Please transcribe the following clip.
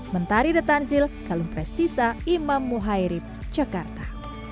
mentari the tanzil kalung prestisa imam muhairib jakarta